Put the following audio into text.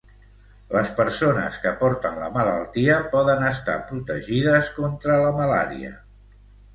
Les persones que porten la malaltia poden estar protegides contra la malària.